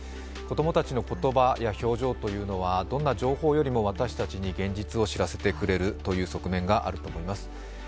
子供たちの言葉や表情というのはどんな情報よりも私たちに現実を知らせてくれるという側面があると思います。